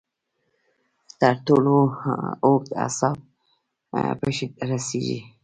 تر ټولو اوږد اعصاب پښې ته رسېږي.